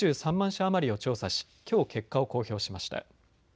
社余りを調査しきょう結果を公表しました。